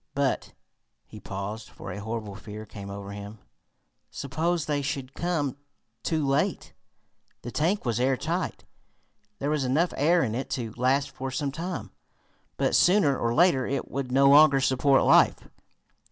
But " He paused, for a horrible fear came over him. "Suppose they should come too late?" The tank was airtight. There was enough air in it to last for some time, but, sooner or later, it would no longer support life.